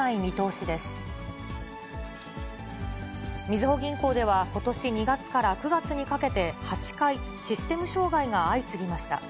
みずほ銀行では、ことし２月から９月にかけて８回、システム障害が相次ぎました。